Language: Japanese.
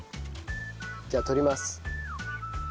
じゃあ取ります。